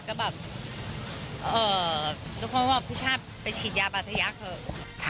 ก็แบบเอิ่อทุกคนมึงบอกพี่ช่าไปฉีดยาปัทยากเถอะ